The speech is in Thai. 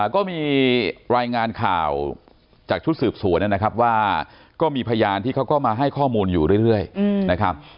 ก็มีรายงานข่าวจากชุดสืบสวนนะครับว่าก็มีพยานที่เขาก็มาให้ข้อมูลอยู่เรื่อยนะครับ